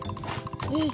えっ？